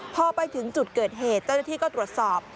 พอไปถึงจุดเกิดเหตุเจ้าหน้าที่ก็ตรวจสอบ